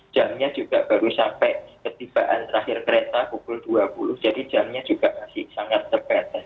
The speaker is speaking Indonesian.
jamnya juga baru sampai ketibaan terakhir kereta pukul dua puluh jadi jamnya juga masih sangat terbatas